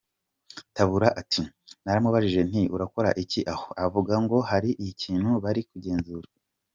Tabura ati: “Naramubajije nti urakora iki aho, aravuga ngo hari ikintu bari kugenzura.